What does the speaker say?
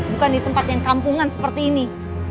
bukan di tempat yang kampungan seperti ini